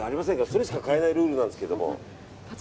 それしか買えないルールなんです。